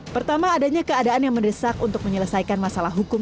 pertama adanya keadaan yang mendesak untuk menyelesaikan masalah hukum